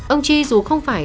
ông chi dù không phải